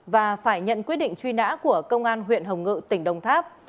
và phải nhận quyết định truy nã của công an huyện hồng ngự tỉnh đồng tháp